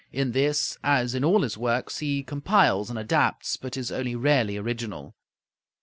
In this, as in all his works, he compiles and adapts, but is only rarely original.